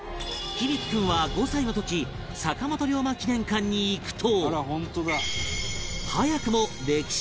響己君は５歳の時坂本龍馬記念館に行くと早くも